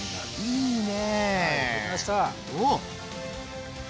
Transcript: いいね。